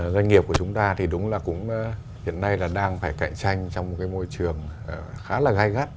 doanh nghiệp của chúng ta thì đúng là cũng hiện nay là đang phải cạnh tranh trong một cái môi trường khá là gai gắt